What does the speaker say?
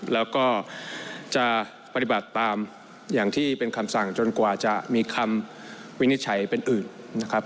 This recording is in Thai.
แล้วก็จะปฏิบัติตามอย่างที่เป็นคำสั่งจนกว่าจะมีคำวินิจฉัยเป็นอื่นนะครับ